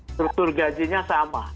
struktur gajinya sama